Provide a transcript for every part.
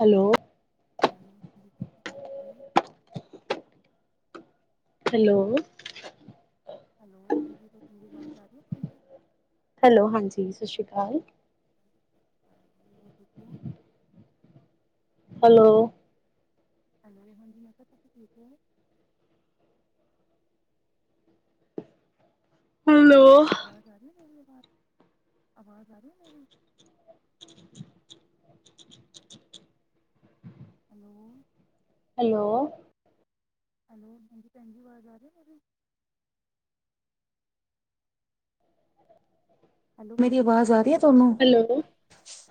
Hello. ਹਲ ਜ [inaudible] hello. Hello ਹਾਂਜੀ ਮੇਰੀ ਆਵਾਜ਼ ਆ ਰਹੀ ਤੁਹਾਨੂੰ ਹੈਲੋ ਹਾਂਜੀ ਸਤਿ ਸ਼੍ਰੀ ਅਕਾਲ [inaudible] ਹੈਲੋ, ਹੈਲੋ ਹਾਂਜੀ ਮੈਂ ਕਿਹਾ ਤੁਸੀਂ ਠੀਕ ਔ, ਹੈਲੋ। ਆਵਾਜ਼ ਆ ਰਹੀ। ਆਵਾਜ਼ ਆ ਰਹੀ ਹੈ ਮੇਰੀ, ਹੈਲੋ, ਹੈਲੋ, ਹੈਲੋ, ਹਾਂਜੀ ਭੈਣ ਜੀ ਆਵਾਜ਼ ਆ ਰਹੀ ਹੈ ਮੇਰੀ, ਹੈਲੋ ਮੇਰੀ ਆਵਾਜ਼ ਆ ਰਹੀ ਹੈ ਤੁਹਾ ਹੈਲੋ,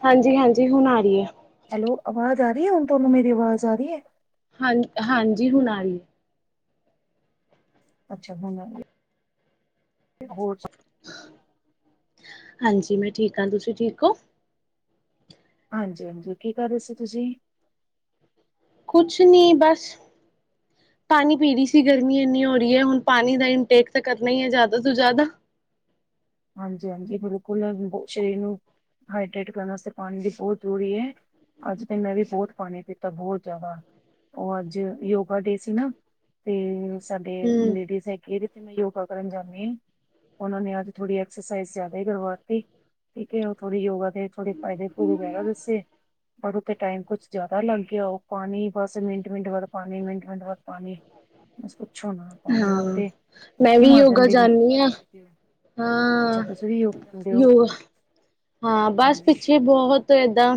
ਹਾਂਜੀ-ਹਾਂਜੀ ਹੁਣ ਆ ਰਹੀ ਏ, ਹੈਲੋ ਆਵਾਜ ਆ ਰਹੀ ਹੈ ਹੁਣ ਤੁਹਾਨੂੰ ਮੇਰੀ ਆਵਾਜ਼ ਆ ਰਹੀ, ਹਾਂ ਹਾਂਜੀ ਹੁਣ ਆ ਰਹੀ, ਅੱਛਾ ਹੁਣ ਅ ਹੋਰ ਸੁਣਾਓ? ਹਾਂਜੀ ਮੈਂ ਠੀਕ ਹਾਂ, ਤੁਸੀਂ ਠੀਕ ਹੋ? ਹਾਂਜੀ-ਹਾਂਜੀ, ਕੀ ਕਰ ਰਹੇ ਸੀ ਤੁਸੀਂ? ਕੁਛ ਨੀ ਬਸ, [inaudible] ਪਾਣੀ ਪੀ ਰਹੀ ਸੀ ਗਰਮੀ ਇੰਨੀ ਹੋ ਰਹੀ ਹੈ ਹੁਣ ਪਾਣੀ ਦਾ ਇਨਟੇਕ ਤਾਂ ਕਰਨਾ ਹੀ ਹੈ ਜ਼ਿਆਦਾ ਤੋਂ ਜ਼ਿਆਦਾ, ਹਾਂਜੀ-ਹਾਂਜੀ ਬਿਲਕੁਲ ਸਰੀਰ ਨੂੰ, ਹਾਈਡ੍ਰਟ ਕਰਨ ਵਾਸਤੇ ਪਾਣੀ ਦੀ ਬਹੁਤ ਜ਼ਰੂਰੀ ਹੈ। ਅੱਜ ਤੇ ਮੈਂ ਵੀ ਬਹੁਤ ਪਾਣੀ ਪੀਤਾ ਬਹੁਤ ਜ਼ਿਆਦਾ, ਉਹ ਅੱਜ ਯੋਗਾ ਡੇ ਸੀ ਨਾ। ਤੇ ਸਾਡੇ ਹੂੰ, ਲੇਡੀਜ਼ ਹੈਗੇ ਜਿੱਥੇ ਮੈਂ ਯੋਗਾ ਕਰਨ ਜਾਂਦੀ ਐ ਉਹਨਾ ਨੇ ਅੱਜ ਥੋੜੀ ਐਕਸਰਸਾਈਜ਼ ਜ਼ਿਆਦਾ ਹੀ ਕਰਵਾਤੀ ਠੀਕੇ ਉਹ ਥੋੜੀ ਯੋਗਾ ਥੋੜੇ ਫਾਇਦੇ ਕੂ ਗੈਰਾ ਦੱਸੇ ਉੱਥੇ ਟਾਈਮ ਕੁਛ ਜਿਆਦਾ ਲੱਗ ਗਿਆ ਉਹ। ਪਾਣੀ, ਬਸ ਮਿੰਟ-ਮਿੰਟ ਬਾਅਦ ਪਾਣੀ, ਮਿੰਟ-ਮਿੰਟ ਬਾਅਦ ਪਾਣੀ। ਛੋਣਾ ਪਾਣੀ ਨਾਲ ਹਾਂ ਤੇ ਮੈਂ ਭੁੱਖ ਹੀ ਵੀ ਮਰ ਯੋਗਾ ਜਾਂਦੀ ਏ ਹਾਂ [unintelligible] ਅੱਛਾ ਹਾਂ ਤੁਸੀ ਵੀ ਯੋਗ ਕਰਦੇ ਹੋ? ਯੋਗਾ ਹਾਂ ਬਸ ਪਿੱਛੇ ਬਹੁਤ ਏਦਾਂ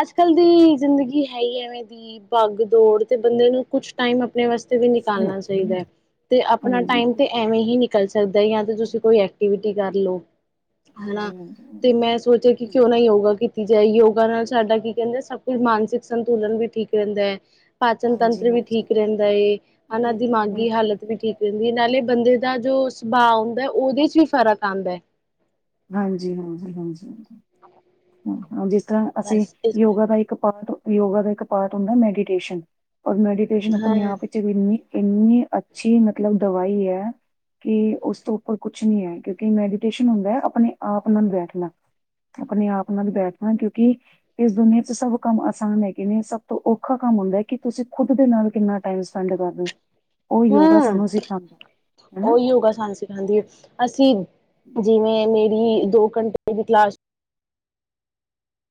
ਅੱਜ-ਕੱਲ ਦੀ ਜ਼ਿੰਦਗੀ ਹੈ ਹੀ ਐਵੇਂ ਦੀ ਬੱਗ ਦੌੜ, ਤੇ ਬੰਦੇ ਨੂੰ ਕੁਛ ਟਾਈਮ ਆਪਣੇ ਵਾਸਤੇ ਵੀ ਨਿਕਾਲਣਾ ਚਾਹੀਦੈ, ਤੇ ਆਪਣਾ ਹਾਂਜੀ ਟਾਈਮ ਤੇ ਐਵੇਂ ਹੀ ਨਿ ਨਿਕਲ ਜਾਂਦਾ ਜਾ ਤੇ ਤੁਸੀਂ ਕੋਈ ਐਕਟੀਵਿਟੀ ਕਰ ਲਓ? ਹਾਂਜੀ ਹਨਾ। ਹਾਂ ਤੇ ਮੈਂ ਸੋਚਿਆ ਕਿ ਕਿਉਂ ਨਾ ਯੋਗਾ ਕੀ ਕੀਤੀ ਜਾਏ, ਯੋਗਾ ਨਾਲ ਸਾਡਾ ਕੀ ਕਹਿੰਦੇ ਸਭ ਕੁੱਝ ਮਾਨਸਿਕ ਸੰਤੁਲਨ ਵੀ ਠੀਕ ਰਹਿੰਦੈ। ਪਾਚਨ ਹਾਂਜੀ ਤੰਤਰ ਵੀ ਹਾਂਜੀ ਠੀਕ ਰਹਿੰਦਾ ਏ, ਹਨਾ ਬਿਲਕੁਲ ਦਿਮਾਗੀ ਬਿਲਕੁਲ ਹਾਲਤ ਵੀ ਬਿਲਕੁਲ ਠੀਕ ਰਹਿੰਦੀ ਏ। ਨਾਲੇ ਬੰਦੇ ਦਾ ਜੋ ਸੁਭਾਅ ਹੁੰਦਾ ਉਹਦੇ ਚ ਵੀ ਫ਼ਰਕ ਆਉਂਦਾ। ਹਾਂਜੀ-ਹਾਂਜੀ, ਹਾਂਜੀ, ਹੰ ਹਾਂਜੀ ਹ ਅਸੀਂ, ਬਸ ਇਸ ਯੋਗਾ ਦਾ ਕਰਕੇ ਇੱਕ ਪਾਰਟ-ਯੋਗਾ ਦਾ ਇੱਕ ਪਾਰਟ ਹੁੰਦੈ ਮੈਡੀਟੇਸ਼ਨ। ਔਰ ਮੈਡੀਟੇਸ਼ਨ ਹਾਂ ਆਪਣੇ ਆਪ ਵਿੱਚ ਇੰਨੀ ਅੱਛੀ ਮਤਲਬ ਦਵਾਈ ਹੈ ਕਿ ਉਸ ਤੋਂ ਉੱਪਰ ਕੁਛ ਨੀ ਹੈ ਕਿਉਂਕਿ ਮੈਡੀਟੇਸ਼ਨ ਹੁੰਦੈ ਆਪਣੇ ਆਪ ਨਾਲ ਬੈਠਣਾ। ਆਪਣੇ ਆਪ ਨਾਲ ਬੈਠਣਾ ਕਿਉਂਕਿ ਇਸ ਦੁਨੀਆਂ ਚ ਸਭ ਕੰਮ ਆਸਾਨ ਹੈਗੇ ਨੇ ਸਭ ਤੋਂ ਔਖਾ ਕੰਮ ਕਮ ਹੁੰਦੈ ਕਿ ਤੁਸੀਂ ਖੁਦ ਦੇ ਨਾਲ ਕਿੰਨਾ ਟਾਈਮ ਸਪੈਂਡ ਕਰਦੇ। ਉਹ ਯੋਗਾ ਹੰ, ਸਾਨੂੰ ਸਿਖਾਉਂਦਾ ਹਨਾ। ਉਹ ਯੋਗਾ ਸਾਨੂੰ ਸਿਖਾਂਂਦੀ ਹੈ, ਅਸੀਂ ਜਿਵੇਂ ਮੇਰੀ ਦੋ ਘੰਟੇ ਦੀ ਕਲਾਸ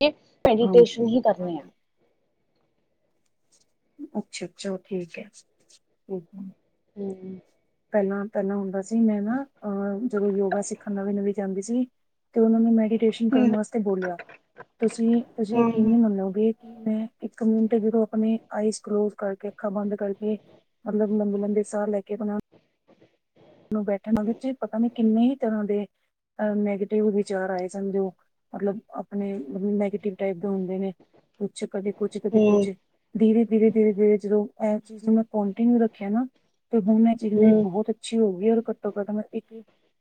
ਕਿ ਹਾਂਜੀ, ਮੈਡੀਟੇਸ਼ਨ ਹੀ ਕਰਨੇ ਆ। ਹਾਂਜੀ ਅੱਛਾ-ਅੱਛਾ, ਔ ਠੀਕ ਹੈ, ਹੂੰ, ਪਹਿਲਾਂ-ਪਹਿਲਾਂ ਹੁੰਦਾ ਸੀ, ਮੈਂ ਨਾ ਅਹ ਜਦੋਂ ਯੋਗਾ ਸਿੱਖਣ ਨਵੀਂ-ਨਵੀਂ ਜਾਂਦੀ ਸੀ। ਤੇ ਉਹਨਾਂ ਨੇ ਮੈਡੀਟੇਸ਼ਨ ਹੂੰ, ਕਰਨ ਵਾਸਤੇ ਬੋਲਿਆ ਤੁਸੀਂ, ਤੁਸੀਂ ਯਕੀਨ ਹੂੰ। ਨਹੀਂ ਮੰਨੋਗੇ। ਕਿਵੇ? ਇੱਕ ਮਿਨਟ ਚ ਉਹ ਆਪਣੇ ਆਈਸ ਕਲੋਸ ਕਰਕੇ, ਅੱਖਾਂ ਬੰਦ ਕਰਕੇ ਮਤਲਬ ਲੰਬੇ-ਲੰਬੇ ਸਾਹ ਲੈ ਕੇ ਆਪਣਾ ਨੂੰ ਬੈਠਣ ਆ ਵਿੱਚ ਪਤਾ ਨੀ ਕਿੰਨੇ ਹੀ ਤਰਾਂ ਦੇ ਅ ਨੈਗੇਟਿਵ ਵਿਚਾਰ ਆਏ ਸਨ ਜੋ ਮਤਲਬ ਆਪਣੇ ਨੈਗੇਟਿਵ ਟਾਈਪ ਦੇ ਹੁੰਦੇ ਨੇ। ਕੁਛ ਕਦੇ ਕੁੱਛ, ਕਦੇ ਹੂੰ, ਕੁਛ। ਧੀਰੇ-ਧੀਰੇ, ਧੀਰੇ-ਧੀਰੇ ਜਦੋਂ ਇਹ ਚੀਜ਼ ਨੂੰ ਮੈਂ ਕੋਂਟੀਨਿਊ ਰੱਖਿਆ ਨਾ ਤੇ ਹੁਣ ਇਹ ਚੀਜ਼ ਮੇਰੀ ਹੂੰ। ਬਹੁਤ ਅਛ ਹੋ ਗਈ, ਘੱਟੋ-ਘੱਟ ਮੈਂ ਇੱਕ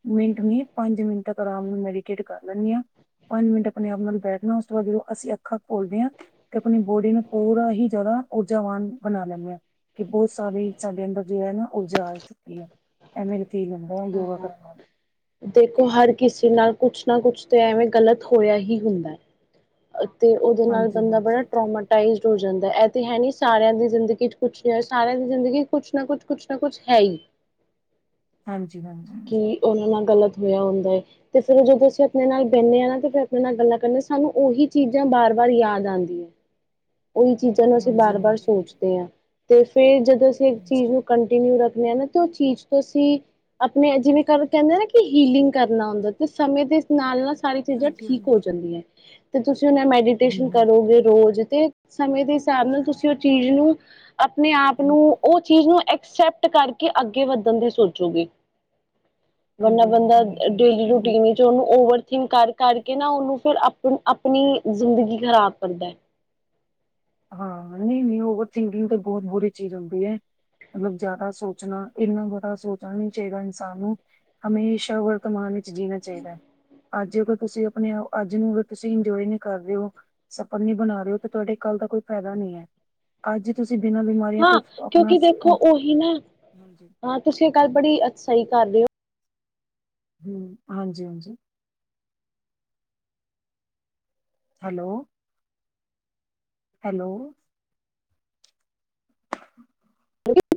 ਮਿੰਟ ਨੀ ਪੰਜ ਮਿੰਟ ਤੱਕ ਆਰਾਮ ਨਾਲ ਮੈਡੀਟੇਟ ਕਰ ਲੈਂਦੀ ਆਂ। ਪੰਜ ਮਿੰਟ ਆਪਣੇ ਆਪ ਨਾਲ ਬੈਠਣਾ, ਉਸ ਤੋਂ ਬਾਅਦ ਜਦੋਂ ਅਸੀਂ ਅੱਖਾਂ ਘੋਲਦੇ ਹਾਂ ਤੇ ਆਪਣੀ ਬੋਡੀ ਨੂੰ ਪੂਰਾ ਹੀ ਜ਼ਿਆਦਾ ਊਰਜਾਵਾਨ ਬਣਾ ਲੈਂਦੇ ਹਾਂ, ਕਿ ਬਹੁਤ ਸਾਰੇ ਸਾਡੇ ਅੰਦਰ ਜੋ ਹੈ ਨਾ ਊਰਜਾ ਆ ਚੁੱਕੀ ਐ। ਐ ਮੇਰੀ [unintelligible] ਲੈਂਦਾ ਅ ਯੋਗਾ ਹਾਂ। ਕਰਨ ਨਾਲ। ਦੇਖੋ ਹਰ ਕਿਸੇ ਨਾਲ ਕੁਛ ਨਾ ਕੁਛ ਤਾਂ ਐਵੇਂ ਗਲਤ ਹੋਇਆ ਹੀ ਹੁੰਦਾ। ਤੇ ਉਹਦੇ ਨਾਲ ਹਾਂਜੀ ਬੰਦਾ ਹਾਂਜੀ ਬੜਾ ਟਰੋਮਾਟਾਈਜ਼ਡ ਹੋ ਜਾਂਦਾ। ਇਹ ਤੇ ਹੈ ਨੀ ਸਾਰਿਆਂ ਦੀ ਜ਼ਿੰਦਗੀ ਚ ਕੁਛ ਨੀ ਹੋਯਾ, ਸਾਰਿਆਂ ਦੀ ਜ਼ਿੰਦਗੀ ਕੁਛ ਨਾ ਕੁਛ, ਕੁਛ ਨਾ ਕੁਛ ਹੈ ਹੀ। ਹਾਂਜੀ। ਹਾਂਜੀ ਹਾਂਜੀ ਕੀ ਉਹਨਾਂ ਨਾਲ ਗ਼ਲਤ ਹੋਇਆ ਹੁੰਦਾ ਏ। ਤੇ ਫੇਰ ਜਦੋਂ ਅਸੀਂ ਆਪਣੇ ਨਾਲ ਬਹਨੇ ਹਾਂ ਨਾ ਤੇ ਫਿਰ ਆਪਣੇ ਨਾਲ ਗੱਲਾਂ ਕਰਨੇ ਸਾਨੂੰ ਉਹੀ ਚੀਜ਼ਾਂ ਬਾਰ ਵਾਰ ਯਾਦ ਆਂਦੀ ਏ। [inaudible] ਉਹੀ ਚੀਜ਼ਾਂ ਨੂੰ ਅਸੀਂ ਹਾਂਜੀ ਬਾਰ-ਬਾਰ ਹਾਂਜੀ ਸੋਚਦੇ ਹਾਂ, ਤੇ ਫੇਰ ਜਦੋਂ ਅਸੀਂ ਇੱਕ ਚੀਜ਼ ਨੂੰ ਕੰਟੀਨਿਊ ਰੱਖ ਨੇ ਆ ਨਾ, ਤੇ ਉਹ ਚੀਜ਼ ਤੋਂ ਅਸੀਂ ਆਪਣੇ ਜਿਵੇਂ ਕ ਕਹਿੰਦੇ ਨਾ ਕਿ ਹੀਲਿੰਗ ਕਰਨਾ ਹੁੰਦਾ ਤੇ ਸਮੇਂ ਦੇ ਨਾਲ-ਨਾਲ ਸਾਰੀ ਚੀਜ਼ਾਂ ਹਾਂਜੀ ਠੀਕ ਹੋ ਹਾਂਜੀ ਜਾਂਦੀਆਂ। ਤੇ ਤੁਸੀਂ ਹ ਮੈਡੀਟੇਸ਼ਨ ਹਮ ਕਰੋਗੇ ਰੋਜ਼ ਤੇ ਸਮੇਂ ਦੇ ਹਿਸਾਬ ਨਾਲ ਤੁਸੀਂ ਉਹ ਚੀਜ਼ ਨੂੰ ਆਪਣੇ ਆਪ ਨੂੰ ਹਮ ਉਹ ਚੀਜ਼ ਨੂੰ ਔਕ ਐਕਸੈਪਟ ਕਰਕੇ ਅੱਗੇ ਵੱਧਣ ਦੀ ਸੋਚੋਗੇ। ਵਰਨਾ ਹਾਂਜੀ ਬੰਦਾ ਹਾਂਜੀ ਹਾਂਜੀ ਹਾਂਜੀ ਡੇਲੀ ਰੂਟੀਨ ਬਿਲਕੁਲ ਵਿੱਚ ਉਹਨੂੰ ਬਿਲਕੁਲ ਓਵਰਥਿੰਕ ਕਰ ਕਰਕੇ ਨਾ ਉਹਨੂੰ ਫਿਰ ਆਪ ਣ ਆਪਣੀ ਜ਼ਿੰਦਗੀ ਖਰਾਬ ਕਰਦਾ ਹੈ। ਹਾਂ, ਨਹੀਂ-ਨਹੀਂ ਓਵਰ ਥਿੰਕਿੰਗ ਤਾਂ ਬਹੁਤ ਬੁਰੀ ਚੀਜ਼ ਹੁੰਦੀ ਹੈ। ਮਤਲਬ ਜ਼ਿਆਦਾ ਸੋਚਣਾ ਇੰਨਾ ਬੜਾ ਸੋਚਣਾ ਨਹੀਂ ਚਾਹੀਦਾ ਇਨਸਾਨ ਨੂੰ। ਹਮੇਸ਼ਾ ਵਰਤਮਾਨ ਇਚ ਜੀਣਾ ਚਾਹੀਦਾ ਹੈ। ਅੱਜ ਅਗਰ ਤੁਸੀਂ ਆਪਣੇ ਆਪ ਅੱਜ ਨੂੰ ਅਗਰ ਤੁਸੀਂ ਇੰਜੋਏ ਨਹੀਂ ਕਰ ਰਹੇ ਹੋ ਸਪਣ ਨੀ ਬਣਾ ਰਹੇ ਹੋ ਤਾਂ ਤੁਹਾਡੇ ਕੱਲ ਦਾ ਕੋਈ ਫਾਇਦਾ ਨਹੀਂ ਹੈ। ਅੱਜ ਤੁਸੀਂ ਬਿਨਾਂ ਬਿਮਾਰੀਆਂ ਤੋਂ ਹਾਂ ਆਪਣਾ ਕਿਉਂਕਿ ਦੇਖੋ ਉਹੀ ਨਾ ਹਾਂਜੀ ਹਾਂ ਤੁਸੀਂ ਇਹ ਗੱਲ ਬੜੀ ਸਹੀ ਕਰ ਰਹੇ ਹੋ। ਹਮ ਹਾਂਜੀ ਹਾਂਜੀ ਹੈਲੋ ਹੈਲੋ [inaudible]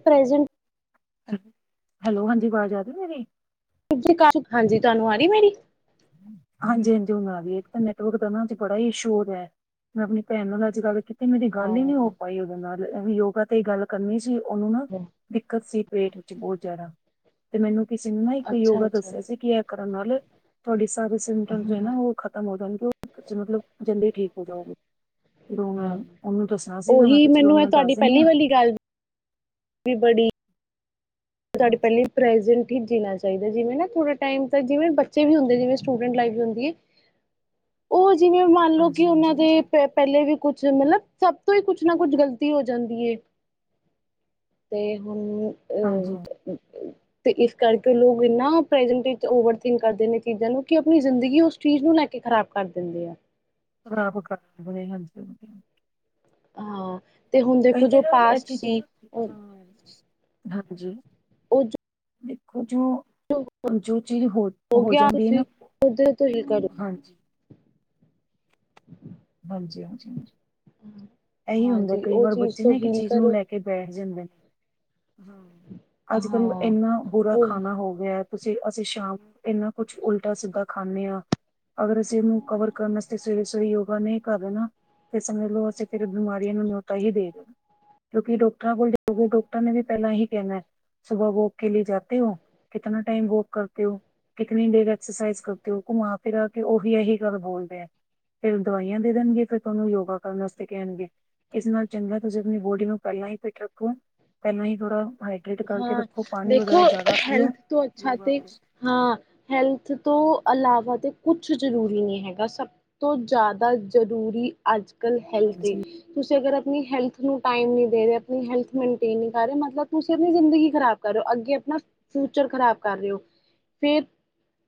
ਪ੍ਰੈਸਟ ਹੈਲੋ ਹਾਂਜੀ ਆਵਾਜ਼ ਆਰੀ ਹੈ ਮੇਰੀ ਹਾਂਜੀ ਤੁਹਾਨੂੰ ਆ ਰਹੀ ਮੇਰੀ ਹਾਂਜੀ ਹਾਂਜੀ ਹਣ ਤਾਂ ਨੈਟਵਰਕ ਦਾ ਨਾ ਅੱਜ ਬੜਾ ਹੀ ਇਸ਼ੂ ਹੋ ਰਿਹਾ ਮੈਂ ਆਪਣੀ ਭੈਣ ਨਾਲ ਅੱਜ ਕੱਲ ਤੇ ਮੇਰੀ ਗੱਲ ਹੀ ਨੀ ਹੋ ਹਾਂ ਪਾਈਓਦੋਂ ਨਾਲਂ ਯੋਗਾ ਤੇ ਗੱਲ ਕਰਨੀ ਸੀ ਉਹਨੂੰ ਨਾ ਦਿੱਕਤ ਸੀ ਪੇਟ ਵਿੱਚ ਬਹੁਤ ਜ਼ਿਆਦਾ ਤੇ ਮੈਨੂੰ ਕਿਸੇ ਨੂੰ ਨਾ ਇੱਕ ਅੱਛਾ ਯੋਗਾ ਅੱਛਾ ਦੱਸਿਆ ਸੀ ਕਿ ਇਹ ਕਰਨ ਨਾਲ ਤੁਹਾਡੀ ਸਾਰੇ ਸਿਟਮ ਹਾਂ ਨਾ ਉਹ ਖ਼ਤਮ ਹੋ ਜਾਣਗੇ ਉਹ ਮਤਲਬ ਜਲਦੀ ਠੀਕ ਹੋ ਜਾਓਗੇ ਫਿਰ ਉਹ ਮੈਂ ਹਾਂ ਉਹਨੂੰ ਦੱਸਣਾ ਸੀਗਾ ਮੈਂ ਉਹੀ ਕਿਹਾ ਚਲੋ ਮੈਨੂੰ ਨੂੰ ਇਹ ਮੈਂ ਦੱਸ ਤੁਹਾਡੀ ਦਿੰਦੀ ਹ ਪਹਿਲੀ ਵਾਲੀ ਗੱਲ ਵੀ ਬੜੀ ਤੁਹਾਡੀ ਹਾਂਜੀ ਪਹਿਲੀ ਪ੍ਰੈਜੈਂਟ ਜੀਨਾਂ ਚਾਹੀਦਾ ਜਿਵੇਂ ਨਾ ਥੋੜਾ ਟਾਈਮ ਤਾਂ ਜਿਵੇਂ ਬੱਚੇ ਵੀ ਹੁੰਦੇ, ਜਿਵੇਂ ਸਟੂਡੈਂਟ ਲਾਈਫ ਵੀ ਹੁੰਦੀ ਹੈ ਉਹ [inaudible] ਜਿਵੇਂ ਮੰਨਲਓ ਕਿ ਹਾਂਜੀ ਹਾਂਜੀ ਉਹਨਾਂ ਦੇ ਹਾਂਜੀ ਪ ਪਹਿਲੇ ਵੀ ਕੁਛ ਮਤਲਬ ਸਭ ਤੋਂ ਹੀ ਕੁਛ ਨਾ ਕੁਛ ਗ਼ਲਤੀ ਹੋ ਜਾਂਦੀ ਹੈ। ਤੇ ਹੁਣ ਓ ਹਾਂਜੀ [inaudible] ਤੇ ਇਸ ਕਰਕੇ ਉਹ ਲੋਕ ਇਨਾ ਪ੍ਰੈਜੈਂਟ ਓਵਰਥਿੰਕ ਕਰਦੇ ਨੇ ਚੀਜ਼ਾਂ ਨੂੰ ਕਿ ਆਪਣੀ ਜ਼ਿੰਦਗੀ ਉਸ ਚੀਜ਼ ਨੂੰ ਲੈ ਕੇ ਖਰਾਬ ਕਰ ਦਿੰਦੇ ਆ ਖਰਾਬ ਕਰ ਦਿੰਦੇ ਹਨ ਹਾਂ ਤੇ ਹੁਣ ਅ ਦੇਖੋ ਤੇ ਜੋ ਨਾ ਇਹ ਪਾਸਟ ਸੀ ਚੀਜ਼ਾਂ ਹ ਹਾਂਜੀ ਉਹ ਜੋ [inaudible] ਦੇਖੋ [inaudible] ਜੋ ਜੋ ਚੀਜ਼ ਹੋ ਹੋ ਗਿਆ ਜਾਂਦੀ ਹੈ ਨਾ ਤੁਸੀਂ ਉਹਦੇ ਤੋਂ ਹੀ ਕਰੋ। ਹਾਂਜੀ ਹਾਂਜੀ ਹਾਂਜੀ ਹਾਂਜੀ ਇਹੀ ਹੁੰਦਾ ਹਾਂਜੀ ਕਈ ਉਹ ਵਾਰ ਚੀਜ਼ ਬੱਚੇ ਤੋਂ ਨਾ ਇੱਕ ਹੀਲ ਚੀਜ਼ ਨੂੰ ਕਰੋ ਲੈ ਕੇ ਬੈਠ ਜਾਂਦੇ ਨੇ ਹਮ ਅੱਜ ਕੱਲ ਹਾਂ ਇੰਨਾ ਬੁਰਾ ਉਹੀ ਖਾਣਾ ਹੋ ਗਿਆ ਤੁਸੀਂ ਅਸੀਂ ਸ਼ਾਮ ਇੰਨਾ ਕੁਛ ਉਲਟਾ ਸਿੱਧਾ ਖਾਂਦੇ ਹਾਂ ਅਗਰ ਅਸੀਂ ਉਹਨੂੰ ਕਵਰ ਕਰਨ ਵਾਤੇ ਸਵੇਰੇ ਸਵੇਰੇ ਯੋਗ ਨਹੀਂ ਕਰ ਰਹੇ ਤਾਂ ਸਮਝ ਲਓ ਅਸੀਂ ਫਿਰ ਬਿਮਾਰੀਆਂ ਨੂੰ ਨੋਤਾ ਹੀ ਦੇ ਦੇਣਾ ਕਿਉਂਕਿ ਡਾਕਟਰਾਂ ਕੋਲ ਜਾਗੇ ਡਾਕਟਰ ਨੇ ਵੀ ਪਹਿਲਾਂ ਏਹੀ ਕਹਿਣਾ ਹੈ ਸੁਬਾਹ ਵੋਕ ਕੇ ਲਿਏ ਜਾਤੇ ਹੋ ਕਿਤਨਾ ਟਾਈਮ ਵੋਕ ਕਰਤੇ ਹੋ ਕਿਤਨੀ ਦੇੇਰ ਐਕਸਰਸਾਈਜ਼ ਕਰਦੇ ਹੋ ਘੁਮਾ ਫਿਰਾ ਕੇ ਉਹ ਵੀ ਏਹੀ ਗੱਲ ਬੋਲ ਦੇ ਹੈ ਫਿਰ ਦਵਾਈਆਂ ਦੇ ਦੇਣਗੇ ਫਿਰ ਤੁਹਾਨੂੰ ਯੋਗਾ ਕਰਨ ਵਾਸਤੇ ਕਹਿਣਗੇ ਇਸ ਨਾਲ ਚੰਗਾ ਤੁਸੀਂ ਆਪਣੀ ਬੋਡੀ ਨੂੰ ਪਹਿਲਾਂ ਹੀ ਫਿਟ ਰੱਖੇ ਕੋਣ ਪਹਿਲਾਂ ਹੀ ਥੋੜਾ ਹਾਈਡਰੇੇਟ ਕਰਕੇ ਹਾਂ ਰੱਖੋ ਪਾਣੀ ਦੇਖੋ ਵਗੈਰਾ ਜ਼ਿਆਦਾ ਪੀਓ ਹੈਲਥ ਤੋਂ ਅੱਛਾ ਯੋਗਾ ਤੇ ਕਰੋ ਹਾਂ ਹੈਲਥ ਤੋਂ ਇਲਾਵਾ ਤਾਂ ਕੁਛ ਜ਼ਰੂਰੀ ਨਹੀਂ ਹੈਗਾ ਸਭ ਤੋਂ ਜ਼ਿਆਦਾ ਜ਼ਰੂਰੀ ਅੱਜ ਹਾਂਜੀ ਤੁਸੀਂ ਅਗਰ ਆਪ ਹੈਲਥ ਨੂੰ ਟਮ ਨ ਦੇ ਰ ਆਪ ਹੈਲ ਮੇਨਟੇਨ ਨ ਕਰ ਰਹੇ ਮਤਲਬ ਤੁਸੀਂ ਆਪਣੀ ਜ਼ਿੰਦਗੀ ਖ਼ਰਾਬ ਕਰ ਰਹੇ ਹੋ ਅੱਗੇ ਆਪਣਾ ਫਿਊਚਰ ਖ਼ਰਾਬ ਕਰ ਰਹੇ ਹੋ ਫੇਰ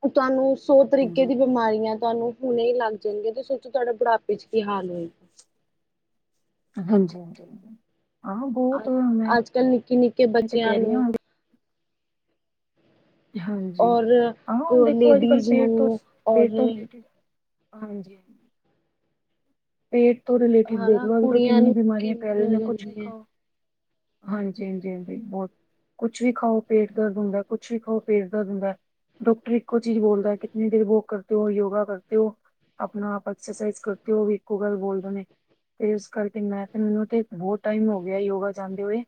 ਤੁਹਾਨੂੰ ਸੌ ਤਰੀਕੇ ਹਾਂਜੀ ਦੀ ਬਿਮਾਰੀਆਂ ਤੁਹਾਨੂੰ ਹੁਣੇ ਹੀ ਲੱਗ ਜਾਣਗੇ ਤੇ ਸੋਚੋ ਤੁਹਾਡਾ ਬੁਢਾਪੇ ਚ ਕੀ ਹਾਲ ਹੋਏਗਾ ਹਾਂਜੀ ਹਾਂਜੀ ਹਾਂ ਬਹੁਤ ਅੱਜ ਮੈਂ ਅੱਜ ਕੱਲ੍ਹ ਨਿੱਕੇ ਨਿੱਕੇ ਤੇ ਬੱਚਿਆਂ ਕਹ ਰਹੀ ਨੂੰ ਹਾਂ ਹਾਂਜੀ ਔਰ ਹਾਂ ਹੁਣ ਦੇਖੋ ਅੱਜ ਕੱਲ ਲੇਡੀਜ਼ ਪੇਟ ਤੋਂ ਨੂੰ ਪੇ ਤੋਂ ਔਰ ਹਾਂਜੀ। ਪੇਟ ਤੋਂ ਰਿਲੇਟਿਡ ਦੇਖ ਹਨਾ ਲੋ ਅੱਜ ਕੱਲ ਕੁੜੀਆਂ ਕਿੰਨੀ ਆ ਨੂੰ ਬਿਮਾਰੀਆਂ ਫੈਲ ਕਿੰਨੀ ਰਹੀ ਆ ਹੋ ਨੇ ਕੁਛ ਵੀ ਜਾਂਦੀ ਹੈ ਖਾਓ। ਹਾਂਜੀ ਹਾਂਜੀ ਹਾਂਜੀ ਬਹੁਤ ਕੁਛ ਵੀ ਖਾਓ ਪੇਟ ਦਰਦ ਹੁੰਦਾ ਕੁਛ ਵੀ ਖਾਓ ਪੇਟ ਦਰਦ ਹੁੰਦਾ। ਡਾਕਟਰ ਇੱਕੋ ਚੀਜ਼ ਬੋਲਦਾ ਕਿਤਨੀ ਦੇਰ ਵੋ ਕਰਦੇ ਹੋ ਯੋਗਾ ਕਰਦੇ ਹੋ। ਆਪਣਾ ਆਪ ਐਕਸਰਸਾਈਜ਼ ਕਰਤੇ ਉਹ ਵੀ ਇੱਕੋ ਗੱਲ ਬੋਲਦੇ ਨੇ। ਕਰਕੇ ਮੈਂ ਤੇ ਮੈਨੂੰ ਤੇ ਬਹੁਤ ਟਾਈਮ ਹੋ ਗਿਆ ਯੋਗਾ ਜਾਂਦੇ ਹੋਏ।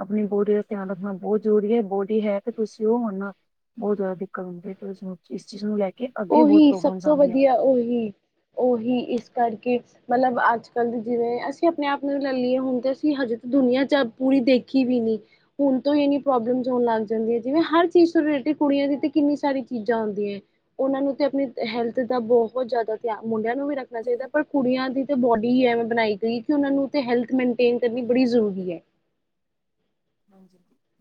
ਆਪਣੀ ਬੋਰੀ ਦਾ ਧਿਆਨ ਰੱਖਣਾ ਬਹੁਤ ਜ਼ਰੂਰੀ ਹੈ ਬਹੁਤ। ਹੈ ਤੇ ਤੁਸੀਂ ਉਹ ਆਨਾ ਬਹੁਤ ਜ਼ਿਆਦਾ ਦਿੱਕਤ ਹੁੰਦੀ ਹੈ ਇਸ ਚੀਜ਼ ਨੂੰ ਲੈ ਕੇ ਅੱਗੇ ਬਹੁਤ ਉਹੀ ਸਭ ਪ੍ਰੋਬਲਮਸ ਤੋਂ ਆਉਂਦੀਆਂ। ਵਧੀਆ ਉਹੀ ਉਹੀ ਇਸ ਕਰਕੇ ਮਤਲਬ ਅੱਜ ਕੱਲ ਜਿਵੇਂ ਅਸੀਂ ਆਪਣੇ ਆਪ ਨੂੰ ਲੈ ਲਈਏ ਹੁਣ ਤੇ ਅਸੀਂ ਹਜੇ ਤ ਦੁਨੀਆਂ ਚ। ਪੂਰੀ ਦੇਖੀ ਵੀ ਨੀ ਹੁਣ ਤੋਂ ਇੰਨੀ ਪ੍ਰੋਬਲਮ ਹੋਣ ਲੱਗ ਜਾਂਦੀਆਂ ਹੈ। ਜਿਵੇਂ ਹਰ ਚੀਜ਼ ਤੋਂ ਰਿਲੇਟਿਡ ਕੁੜੀਆਂ ਦੀ ਕਿੰਨੀ ਸਾਰੀ ਚੀਜ਼ਾਂ ਆਉਂਦੀਆਂ। ਉਹਨਾਂ ਨੂੰ ਤੇ ਆਪਣੀ ਹੈਲਥ ਦਾ ਬਹੁਤ ਜ਼ਿਆਦਾ ਧਿਆਨ ਮੁੰਡਿਆਂ ਨੂੰ ਵੀ ਰੱਖਣਾ ਚਾਹੀਦਾ ਪਰ ਕੁੜੀਆਂ ਦੀ। ਬੋਡੀਵੇਂ ਬਣਾਈ ਗਈ ਕਿ ਉਹ ਨੂੰ ਹੈਲਥ ਮੇਨਟੇਨ ਕਰਨੀ ਬੜੀ ਜ਼ਰੂਰੀ ਹੈ ਹਾਂ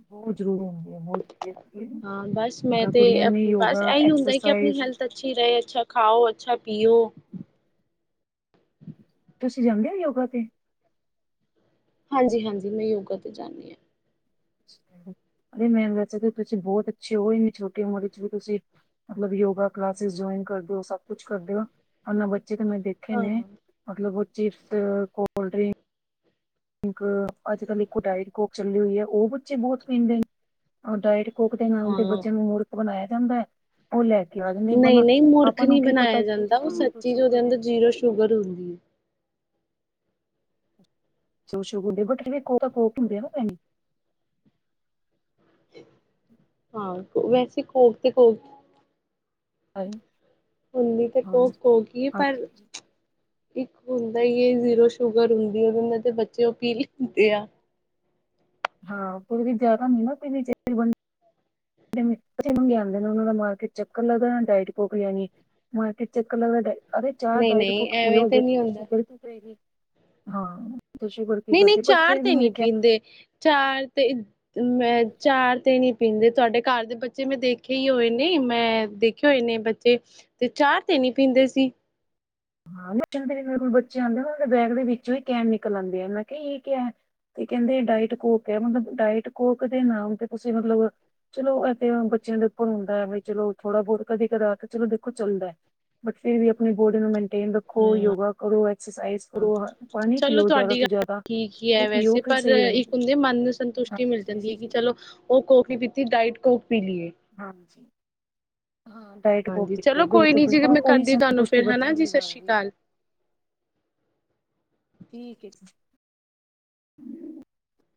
ਬਹੁਤ ਜ਼ਰੂਰ ਹੁੰਦੀ ਆ ਬਹੁਤ ਹੁੰਦੀ ਹੈ। ਹਾਂ ਬਸ ਮੈਂ ਅਗਰ ਤੇ ਕੁੜੀਆਂ ਨੇ ਬਸ ਯੋਗਾ ਇਹੀ ਹੁੰਦਾ ਕਿ ਆਪਣੀ ਐਕਸਰਸਾਈਜ਼ ਹੈਲਥ ਅੱਛੀ ਰਹੇ ਅੱਛਾ ਖਾਓ ਅੱਛਾ ਪੀਓ ਤੁਸੀਂ ਜਾਂਦੇ ਹੋ ਯੋਗਾ ਤੇ ਹਾਂਜੀ ਹਾਂਜੀ ਮੈਂ ਯੋਗਾ ਤੇ ਜਾਂਦੀ ਹਾਂ ਅ ਮੈਮ ਵੈਸਾ ਤੁਸੀਂ ਬਹੁਤ ਅੱਛੇ ਹੋ ਹੀ ਛੋਟੀ ਉਮਰ ਚ ਵੀ ਤੁਸੀਂ ਮਤਲਬ ਯੋਗਾ ਕਲਾਸਿਸ ਜਇਨ ਕਰਦੇ ਹੋ ਸਭ ਕੁਛ ਕਰਦੇ ਹੋ ਉਹਨਾਂ ਬੱਚਿਆਂ ਮੈਂ ਦੇਖੇ ਹਾਂ ਹਾਂ ਨੇ ਮਤਲਬ ਉਹ ਚਿਪਸ ਕੋਲਡ ਡਰਿੰਕ ਕ ਅੱਜ ਕੱਲ ਇੱਕੋ ਡਾਇਟ ਕੋਕ ਚੱਲੀ ਹੋਈ ਹੈ। ਉਹ ਬੱਚੇ ਬਹੁਤ ਪੀਣ ਦੇ ਨੇ ਡਾਇਟ ਕੋਕ ਦੇ ਨਾਮ ਦੇ ਹਾਂ ਬੱਚਿਆਂ ਨੂੰ ਮੂਰਖ ਬਣਾਇਆ ਜਾਂਦਾ ਹੈ ਉਹ ਲੈ ਕੇ ਕਿਆਦ ਨਹੀਂ ਬਣਾ ਮੂਰਖ ਆਪਾਂ ਨੂੰ ਨਹੀਂ ਕੀ ਪਤਾ ਬਣਾਇਆ ਜਾਂਦਾ ਉਹ ਕਿੰਨੀ ਸੱਚੀ ਚ ਉਹਦੇ ਸ਼ੂਗਰ ਅੰਦਰ ਹੈ ਜ਼ੀਰੋ ਸ਼ੂਗਰ ਹੁੰਦੀ ਹੈ ਉਹ ਤਾਂ ਕੋਕ ਪੀਂਦੇ ਆ ਨਾ ਭੈਣਜੀ। ਹਾਂ ਵੈਸੇ ਕੋਕ ਤੇ ਕੋਕ ਹਾਂਜੀ। ਹੁੰਦੀ ਤਾਂ ਕੋਕ ਕੋਕ ਕੀ ਹ ਪਰ। ਹਾਂਜੀ ਇੱਕ ਹੁੰਦਾ ਹੀ ਹੈ ਜ਼ੀਰੋ ਸ਼ੂਗਰ ਹੁੰਦੀ ਉਹਦੇ ਨਾਲ ਤੇ ਬੱਚੇ ਉਹ ਪੀ ਲੈਂਦੇ ਆ। ਹਾਂ ਪੂਰੀ ਜਿਆਦਾ ਨਹੀਂ ਨਾ ਪ ਜਿਹੇ ਮੰਗੇਂਦੇ ਨੇ ਉਹ ਦਾ ਮਾਰਕੀਟ ਚੱਕਰ ਲੱਗ ਡਟ ਯੀ ਹੁਣ ਤੇ ਸਿੱਖ ਲਵੇ। ਅਦੇ ਚਾਹ ਨਹੀਂ ਨਹੀਂ ਡਾਇਟੁੱਕ ਐਵੇਂ ਪੀਓਗੇ ਸੀ ਨਹੀਂ ਤੇ ਹੁੰਦਾ ਸ਼ੂਗਰ ਕੀ ਸੀ ਹਾਂ। ਤੇ ਸ਼ੂਗਰ ਕੀ ਨਹੀਂ ਨਹੀਂ ਕਰਦੀ ਬਟ ਚਾਹ ਫਿਰ ਵੀ ਤੇ ਮੇਰੇ ਨਹੀਂ ਕਹਿਣ ਦਾ ਪੀਂਦੇ ਚਾਹ ਤੇ। ਮੈਂ ਚਾਹ ਤੇ ਨੀ ਪੀਂਦੇ ਤੁਹਾਡੇ ਘਰ ਦੇ ਬੱਚੇ ਮੈਂ ਦੇਖੇ ਹੀ ਹੋਏ ਨੇ ਮੈਂ ਦੇਖੇ ਹੋਏ ਨੇ। ਬੱਚੇ ਤੇ ਚਾਹ ਤੇ ਨੀ ਪੀਂਦੇ ਸੀ। ਹਾਂ ਮੇਰੇ ਕੋਲ ਬੱਚੇ ਆਂਦੇ ਬੈਗ ਦੇ ਵਿੱਚੋਂ ਹੀ ਕੈਮ ਨਿਕਲ ਆਦੇ ਆ ਉਹ ਕਿਹਾ ਇਹ ਕਿਹਾ। ਤੇ ਕਹਿੰਦੇ ਡਾਇਟ ਕੋਕ ਹੈ ਮਤਲਬ ਡਾਇਟ ਕੋਕ ਦੇ ਨਾਮ ਤੇ ਤੁਸੀਂ ਮਤਲਬ ਚਲੋ। ਬੱਚਿਆਂ ਦੇ ਉੱਪਰ ਹੁੰਦਾ ਹੈ ਵੀ ਚਲੋ ਥੋੜਾ ਬਹੁਤ ਕਦੇ ਕਦੇ ਆ ਕੇ ਚਲੋ ਦੇਖੋ ਚੱਲਦਾ ਹੈ। ਬਟ ਫੇਰ ਵੀ ਆਪਣੀ ਬੋਡੀ ਨੂੰ ਮਿਲ। ਰੱਖੋ ਯੋਗਾ ਕਰੋ ਐਕਸਰਸਾਈਜ਼ ਕਰੋ ਪਾਣੀ ਚਲੋ ਪੀਓ ਜ਼ਿਆਦਾ ਤੁਹਾਡੀ ਤੋਂ ਗੱਲ ਜ਼ਿਆਦਾ ਠੀਕ ਹੀ ਉਹ ਹੈ ਪੀਓ ਵੈਸੇ ਫਿਰ, ਪਰ ਸਹੀ ਇੱਕ ਰਹਿੰਦੀ ਹੈ। ਹੁੰਦੇ ਮਨ ਨੂੰ ਸੰਤੁਸ਼ਟੀ ਮਿਲ ਹਾਂਜੀ ਜਾਂਦੀ ਹੈ ਕਿ ਹਾਂਜੀ ਚਲੋ ਉਹ ਕੋਕੀ ਪੀਤੀ ਡਾਇਟ ਕੋਕ ਪੀ ਲਈਏ ਹਾਂਜੀ, ਹਾਂ ਡਾਇਟ ਹਾਂਜੀ ਤੇ ਚਲੋ ਕੋਈ ਨੀ ਜੀ ਬਿਲਕੁਲ-ਬਿਲਕੁਲ ਮੈਂ ਉਹੀ ਕਰਦੀ ਤੁਹਾਨੂੰ ਸੰਤੁਸ਼ਟੀ ਫਿਰ ਹਨਾ ਜੀ ਸਤਿ ਬਾਰ ਸ਼੍ਰੀ ਵੀ ਹੈ। ਅਕਾਲ [unintelligible] [unintelligible]